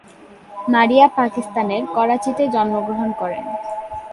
মারিয়া পাকিস্তানের করাচিতে জন্মগ্রহণ করেন।